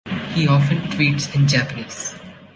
He often tweets in Japanese.